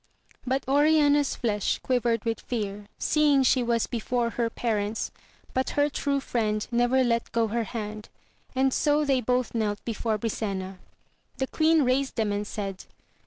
But Oriana's flesh quivered with fear, seeing she was before her parents, but her true friend never let go her hand, and so they both knelt before Brisena. The queen raised them and said.